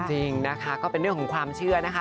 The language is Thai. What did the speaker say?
จริงนะคะก็เป็นเรื่องของความเชื่อนะคะ